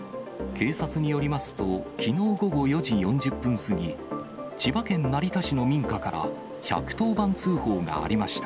警察によりますと、きのう午後４時４０分過ぎ、千葉県成田市の民家から１１０番通報がありました。